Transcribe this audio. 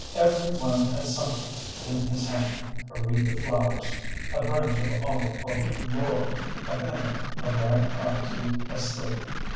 Every one had something in his hand: a wreath of flowers, a branch of olive or laurel, a banner, a rag tied to a stick.